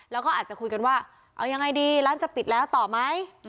แล้วก็อาจจะคุยกันว่าเอายังไงดีร้านจะปิดแล้วต่อไหม